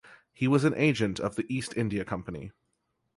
He was an agent of the East India Company.